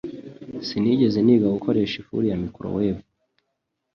Sinigeze niga gukoresha ifuru ya microwave.